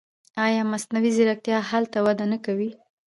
آیا مصنوعي ځیرکتیا هلته وده نه کوي؟